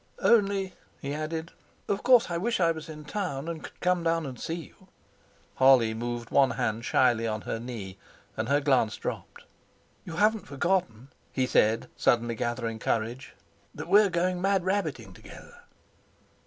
"Only," he added, "of course I wish I was in town, and could come down and see you." Holly moved one hand shyly on her knee, and her glance dropped. "You haven't forgotten," he said, suddenly gathering courage, "that we're going mad rabbiting together?"